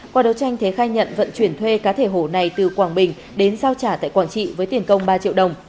qua đấu tranh thế khai nhận vận chuyển thuê cá thể hổ này từ quảng bình đến giao trả tại quảng trị với tiền công ba triệu đồng